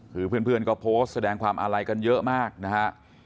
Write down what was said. คือเพื่อนก็โพสต์แสดงความอาลัยกันเยอะมากนะฮะ